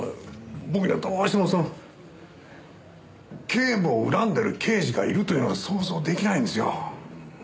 僕にはどうしてもその警部を恨んでる刑事がいるというのが想像出来ないんですよ。